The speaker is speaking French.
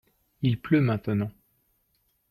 il pleut maintenant.